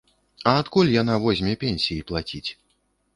А адкуль яна возьме пенсіі плаціць?